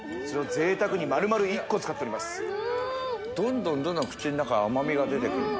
どんどんどんどん口の中甘みが出てくるな